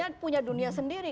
agendanya punya dunia sendiri